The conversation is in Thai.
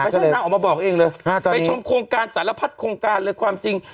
ฉะนั้นนางออกมาบอกเองเลยไปชมโครงการสารพัดโครงการเลยความจริง